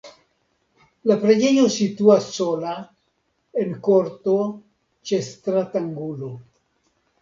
La preĝejo situas sola en korto ĉe stratangulo.